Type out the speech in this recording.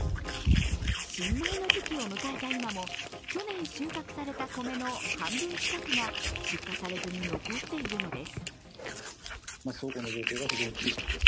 新米の時期を迎えた今も去年収穫された米の半分近くが出荷されずに残っているのです。